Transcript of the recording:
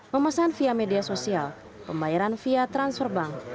memesan via media sosial pembayaran via transfer bank